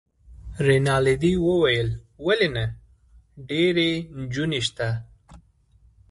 رینالډي وویل: ولي نه، ډیرې نجونې شته.